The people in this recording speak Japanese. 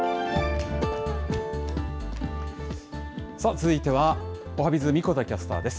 続いてはおはＢｉｚ、神子田キャスターです。